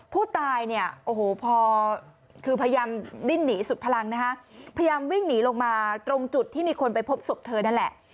ผู้ตายเนี่ยโอ้โหพอคือพยายามดิ้นหนีสุดพลังนะฮะพยายามวิ่งหนีลงมาตรงจุดที่มีคนไปพบศพเธอนั่นแหละ